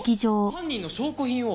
犯人の証拠品を？